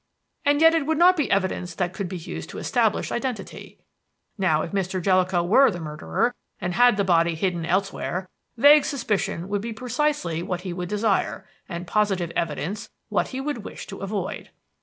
And yet it would not be evidence that could be used to establish identity. Now, if Mr. Jellicoe were the murderer and had the body hidden elsewhere, vague suspicion would be precisely what he would desire, and positive evidence what he would wish to avoid.